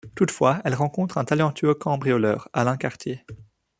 Toutefois, elle rencontre un talentueux cambrioleur, Alain Cartier…